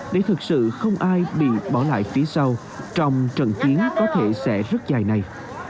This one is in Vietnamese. để thực sự không ai bị bỏ lại phía sau trong trận chiến có thể sẽ rất dài này